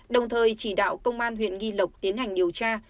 đồng thời chỉ đạo công an huyện nghi lộc tiến hành điều tra